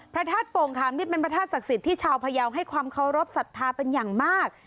พระธาตุโป่งขามนี่เป็นพระธาตุศักดิ์สิทธิ์ที่ชาวพยาวให้ความเคารพสัทธาเป็นอย่างมาก